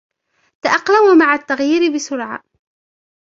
تأقلموا مع التغيير بسرعة.